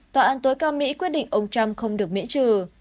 tòa án tối cao mỹ quyết định ông trump không được miễn trừ